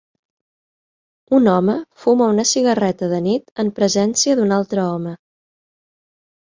Un home fuma una cigarreta de nit en presència d'un altre home